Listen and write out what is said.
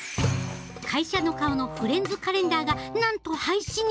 会社の顔のフレンズカレンダーがなんと廃止に！